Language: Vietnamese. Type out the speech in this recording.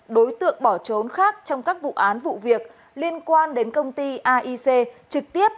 đối tượng bỏ trốn khác trong các vụ án vụ việc liên quan đến công ty aic trực tiếp